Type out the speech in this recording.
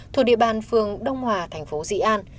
thuộc địa bàn phương đông hòa tp dị an